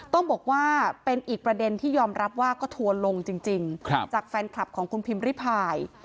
ต้องบอกว่าเป็นอีกประเด็นที่ยอมรับว่าก็ทัวร์ลงจริงจากแฟนคลับของคุณพิมพ์ริพาย